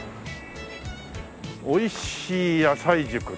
「おいしい野菜塾」